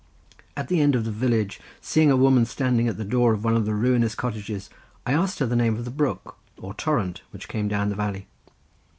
At the end of the village, seeing a woman standing at the door of one of the ruinous cottages, I asked her the name of the brook, or torrent, which came down the valley.